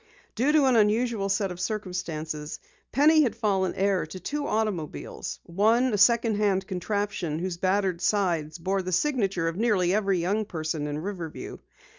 Due to an unusual set of circumstances, Penny had fallen heir to two automobiles, one a second hand contraption whose battered sides bore the signature of nearly every young person in Riverview.